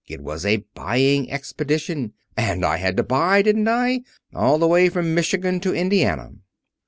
It was a buying expedition. And I had to buy, didn't I? all the way from Michigan to Indiana."